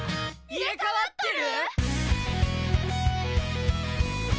入れ替わってる！？